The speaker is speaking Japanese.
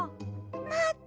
まって！